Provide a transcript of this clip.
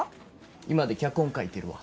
居間で脚本書いてるわ。